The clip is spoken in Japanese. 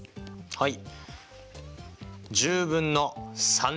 はい！